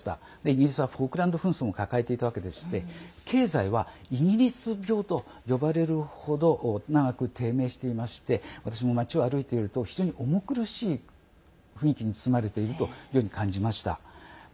イギリスはフォークランド紛争も抱えていたわけでして経済はイギリス病と呼ばれる程長く低迷していまして私も街を歩いていると非常に重苦しい雰囲気に包まれていると感じました。